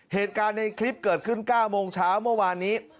เหตุการณ์ในคลิปเกิดขึ้น๙โมงเช้าเมื่อวานนี้